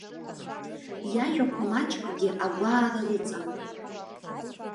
Иажәақәа маҷкгьы агәаара рыҵан.